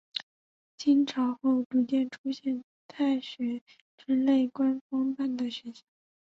清朝后逐渐出现太学之类官方办的学校。